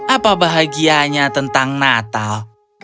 apa bahagianya tentang natal